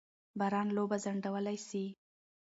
باران لوبه ځنډولای سي.